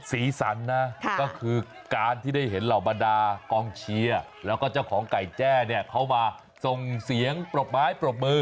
สีสันนะก็คือการที่ได้เห็นเหล่าบรรดากองเชียร์แล้วก็เจ้าของไก่แจ้เนี่ยเขามาส่งเสียงปรบไม้ปรบมือ